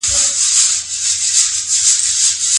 د خاوند قواميت خورا دروند مکلفيت دی.